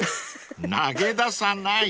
［投げ出さない］